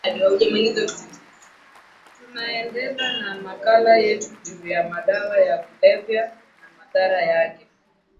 tunaendela na makala yetu juu ya madawa ya kulevya na madhara yake